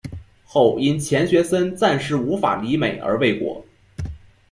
后因钱学森暂时无法离美而未果。